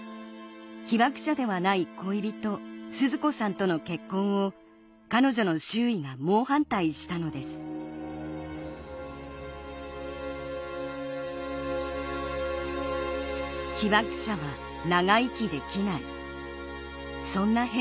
被爆者ではない恋人鈴子さんとの結婚を彼女の周囲が猛反対したのですそんな